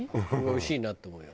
おいしいなと思うよ。